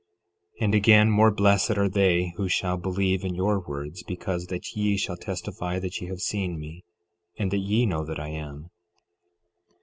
12:2 And again, more blessed are they who shall believe in your words because that ye shall testify that ye have seen me, and that ye know that I am.